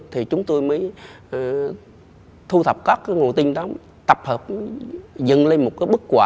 thì chúng tôi mới thu thập các cái ngô tin đó tập hợp dần lên một cái bức quả